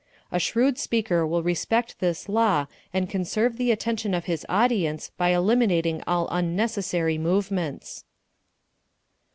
A shrewd speaker will respect this law and conserve the attention of his audience by eliminating all unnecessary movements.